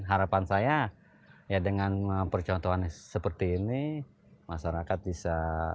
harapan saya ya dengan percontohan seperti ini masyarakat bisa